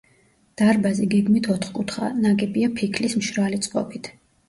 დარბაზი გეგმით ოთხკუთხაა, ნაგებია ფიქლის მშრალი წყობით.